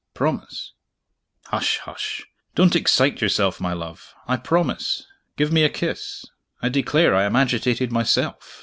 Promise!" "Hush, hush! don't excite yourself, my love; I promise. Give me a kiss. I declare I am agitated myself!"